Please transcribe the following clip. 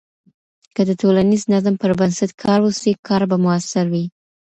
که د ټولنیز نظم پر بنسټ کار وسي، کار به مؤثر وي.